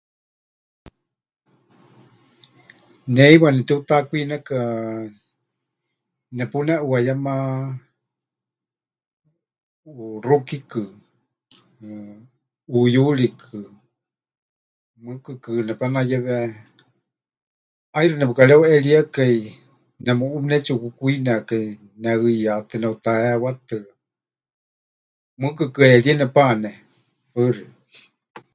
Ne heiwa netiutakwineka nepuneʼuayema ʼuxukikɨ, ʼɨyuurikɨ, mɨɨkɨkɨ nepanayewe, ʼaixɨ nepɨkareuʼeríekai, nemuʼú pɨnetsiʼukukwinekai, nehɨyaátɨ, neʼutaheewatɨ, mɨɨkɨkɨ heeríe nepane.